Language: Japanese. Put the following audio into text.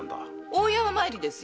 大山参りですよ。